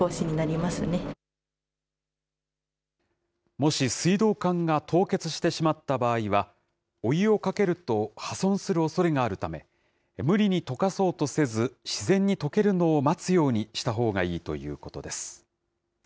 もし、水道管が凍結してしまった場合は、お湯をかけると破損するおそれがあるため、無理にとかそうとせず、自然にとけるのを待つようにしたほうがいいということです。